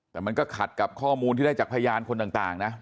แต่มันก็ขัดกับข้อมูลที่ได้จากพยานคนต่างนะ